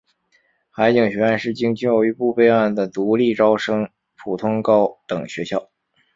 海警学院是经教育部备案的独立招生普通高等学校。